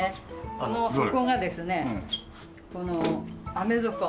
この底がですねアメ底。